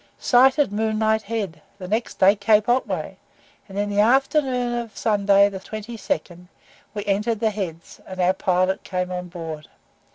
Sighted Moonlight Head, the next day Cape Otway; and in the afternoon of Sunday, the 22nd, we entered the Heads, and our pilot came on board.